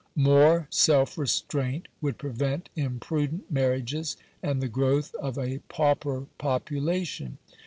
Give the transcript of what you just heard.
More self restraint would prevent imprudent marriages and the growth of a pauper population.